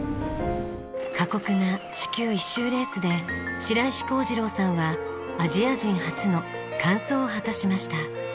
過酷な地球一周レースで白石康次郎さんはアジア人初の完走を果たしました。